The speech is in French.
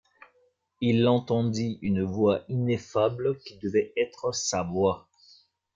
Il entendit une voix ineffable qui devait être « sa voix ».